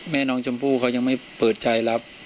แม่น้องชมพู่เขายังไม่เปิดใจรับ